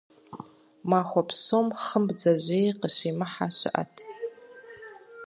Махуэ псом хъым бдзэжьей къыщимыхьэ щыӏэт.